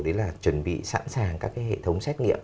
đấy là chuẩn bị sẵn sàng các cái hệ thống xét nghiệm